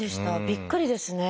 びっくりですね。